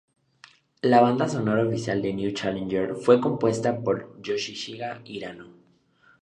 La banda sonora oficial de New Challenger fue compuesta por Yoshihisa Hirano.